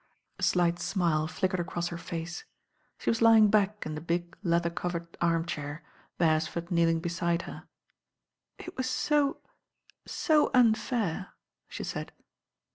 A slight smile flickered across her face. She was lying back in the big leather<ovcred armchair, Beresford kneeling beside her. "It was so— so unfair," she said.